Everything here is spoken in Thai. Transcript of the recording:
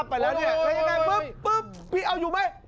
ไปแล้วมันไม่หยั่ม